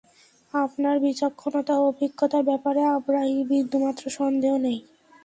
আপনার বিচক্ষণতা ও অভিজ্ঞতার ব্যাপারে আমার বিন্দুমাত্র সন্দেহ নেই।